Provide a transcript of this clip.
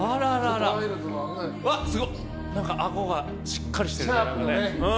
あごがしっかりしてる。